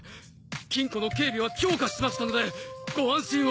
金庫の警備は強化しましたのでご安心を！